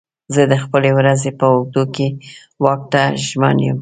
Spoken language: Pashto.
زه د خپلې ورځې په اوږدو کې واک ته ژمن یم.